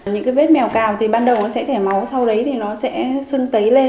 những cái vết mèo cào thì ban đầu nó sẽ chảy máu sau đấy thì nó sẽ sưng tấy lên